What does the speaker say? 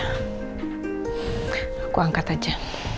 aku angkat aja